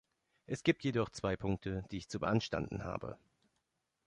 Es gibt jedoch zwei Punkte, die ich zu beanstanden habe.